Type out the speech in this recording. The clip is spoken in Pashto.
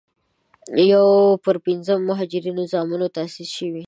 یو پر پينځمه مهاجرینو زامنو تاسیس شوې.